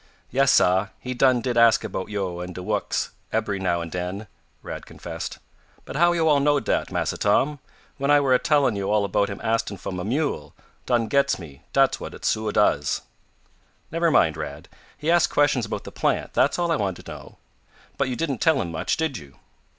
"Yes, sah, he done did ask about yo', and de wuks, ebery now and den," Rad confessed. "But how yo' all knowed dat, Massa Tom, when I were a tellin' yo' all about him astin' fo' mah mule, done gets me dat's what it suah does." "Never mind, Rad. He asked questions about the plant, that's all I want to know. But you didn't tell him much, did you?"